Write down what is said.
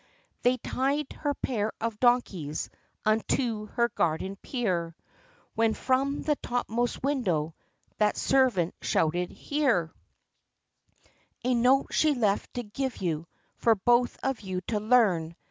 They tied her pair of donkeys, unto her garden pier, When from the topmost window, that servant shouted "Here, A note she left to give you, for both of you to learn."